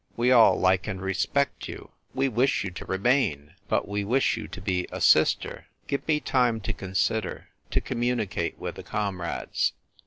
We all like and respect you. We wish you to remain. But we wish you to be a sister. Give me time to consider — to communicate with the comrades."